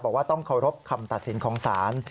บอกว่าต้องเคารพคำตัดสินของศาล